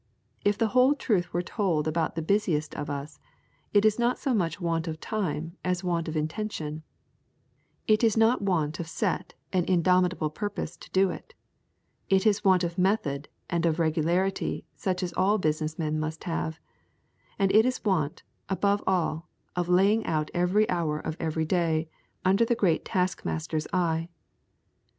If the whole truth were told about the busiest of us, it is not so much want of time as want of intention; it is want of set and indomitable purpose to do it; it is want of method and of regularity such as all business men must have; and it is want, above all, of laying out every hour of every day under the Great Taskmaster's eye.